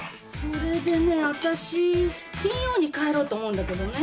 それでね私金曜に帰ろうと思うんだけどね。